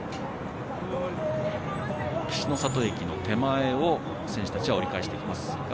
岸里駅の手前を、選手たちは折り返してきます。